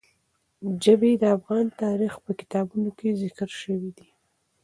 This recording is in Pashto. ژبې د افغان تاریخ په کتابونو کې ذکر شوی دي.